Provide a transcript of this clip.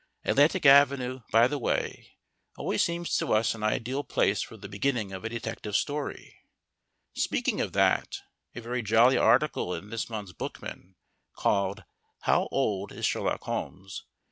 Atlantic Avenue, by the way, always seems to us an ideal place for the beginning of a detective story. (Speaking of that, a very jolly article in this month's Bookman, called "How Old Is Sherlock Holmes?"